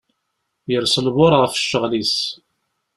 Yers lbuṛ ɣef cceɣl is.